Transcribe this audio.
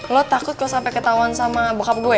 lo takut kok sampai ketahuan sama bokap gue ya